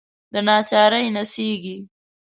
دناچارۍ نڅیږې